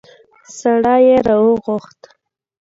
سړی يې راوغوښت.